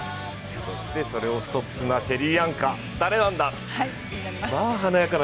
そして、それをストップするのはシェリーアンか、誰なのか。